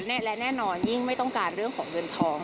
และแน่นอนยิ่งไม่ต้องการเรื่องของเงินทอง